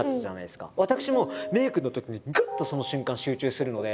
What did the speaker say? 私もメイクのときにグッとその瞬間集中するので。